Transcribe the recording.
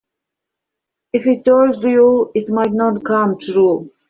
If I told you it might not come true.